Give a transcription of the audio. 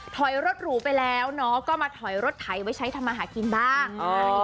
ถอยรถหรูไปแล้วเนาะก็มาถอยรถไถไว้ใช้ทำมาหากินบ้าง